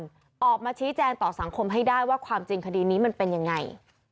ออกมาชี้แจงต่อสังคมให้ได้ว่าความจริงคดีนี้มันเป็นยังไง